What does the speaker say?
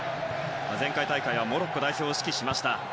前回大会はモロッコ代表を指揮しました。